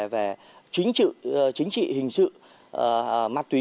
về chính trị hình sự mát túy